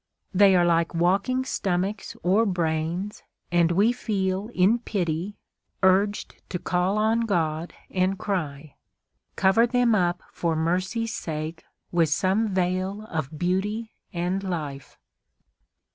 They are like walking stomachs or brains, and we feel, in pity, urged to call on God and cry, "Cover them up for mercy's sake with some veil of beauty and life!"